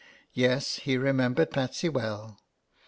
Yes, he remembered Patsy well.